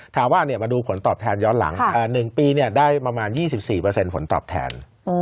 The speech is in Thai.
ถามว่ามาดูผลตอบแทนย้อนหลัง๑ปีได้ประมาณ๒๔ผลตอบแทน